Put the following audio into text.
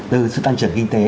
từ sự tăng trưởng kinh tế